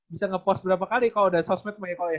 bisa ngepost berapa kali kalo udah sosmed mah ya kok ya